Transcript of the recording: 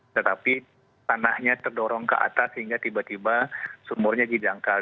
tetapi tanahnya terdorong ke atas sehingga tiba tiba sumurnya didangkal